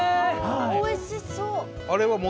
おいしそう！